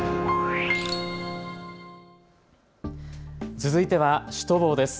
続いてはシュトボーです。